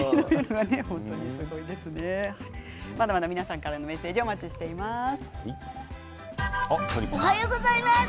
まだまだ皆さんからのメッセージお待ちしています。